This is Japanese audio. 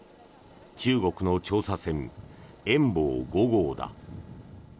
中国の調査船「遠望５号」だ。